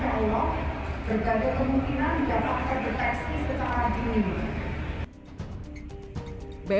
sehingga insya allah berbagai kemungkinan dapat terjejak setelah dihubungi